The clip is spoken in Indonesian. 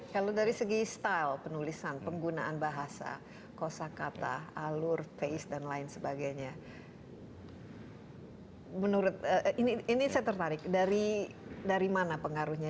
kalau dari segi style penulisan penggunaan bahasa kosa kata alur face dan lain sebagainya menurut ini saya tertarik dari mana pengaruhnya